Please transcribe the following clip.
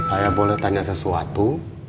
saya boleh tanya sesuatu